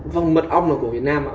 vâng mật ong là của việt nam ạ